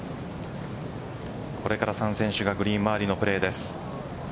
これから３選手がグリーン周りのプレーです。